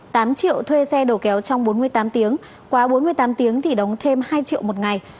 tám triệu thuê xe đầu kéo trong bốn mươi tám tiếng quá bốn mươi tám tiếng thì đóng thêm hai triệu một ngày